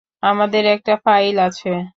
আমাদের একটা ফাইল আছে।